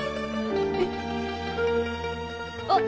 えっ。